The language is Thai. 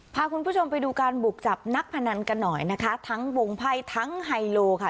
พาคุณผู้ชมไปดูการบุกจับนักพนันกันหน่อยนะคะทั้งวงไพ่ทั้งไฮโลค่ะ